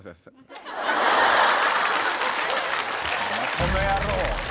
この野郎！